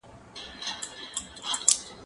زه به سبا واښه راوړم وم